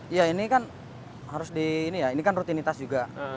iya ini kan harus di ini kan rutinitas juga